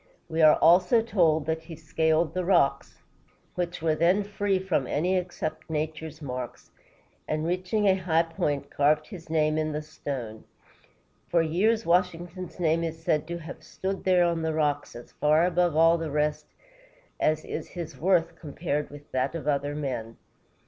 We are also told that he scaled the rocks, which were then free from any except nature's marks, and reaching a high point, carved his name in the stone. For years, Washington's name is said to have stood there on the rocks, as far above all the rest as is his worth compared with that of other men.